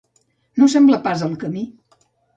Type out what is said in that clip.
No sembla pas el camí.